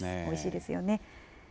おいしいですよね。